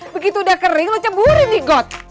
begitu udah kering lo caburin nih god